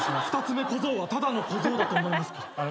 二つ目小僧はただの小僧だと思いますけど。